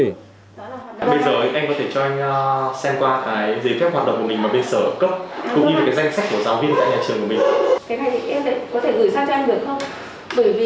bây giờ em có thể cho anh xem qua cái giấy phép hoạt động của mình mà bên sở cấp cũng như cái danh sách của giáo viên tại nhà trường của mình